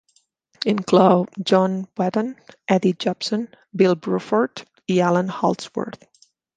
Inclou John Wetton, Eddie Jobson, Bill Bruford i Allan Holdsworth.